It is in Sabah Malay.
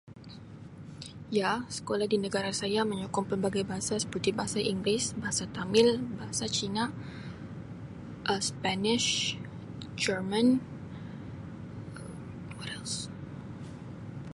"Ya sekolah di negara saya menyokong pelbagai bahasa seperti bahasa Inggeris, bahasa Tamil, bahasa Cina Um Spanish, German Um ""what else"""